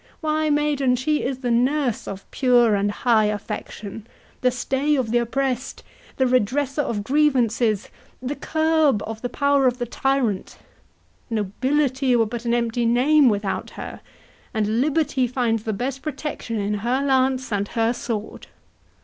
—why, maiden, she is the nurse of pure and high affection—the stay of the oppressed, the redresser of grievances, the curb of the power of the tyrant—Nobility were but an empty name without her, and liberty finds the best protection in her lance and her sword."